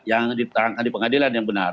yang diterangkan di pengadilan yang benar